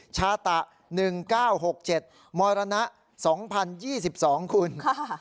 ชาตะหนึ่งเก้าหกเจ็ดมรณะสองพันยี่สิบสองคุณค่ะ